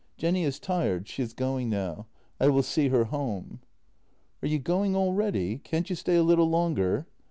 " Jenny is tired; she is going now. I will see her home." " Are you going already? Can't you stay a little longer?